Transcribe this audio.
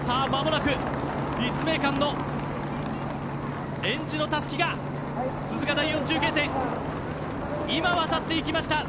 立命館のえんじのたすきが鈴鹿第４中継点渡っていきました。